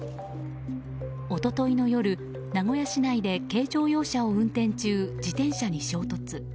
一昨日の夜、名古屋市内で軽乗用車を運転中自転車に衝突。